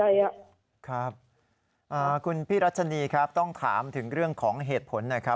ครับคุณพี่รัชนีครับต้องถามถึงเรื่องของเหตุผลหน่อยครับ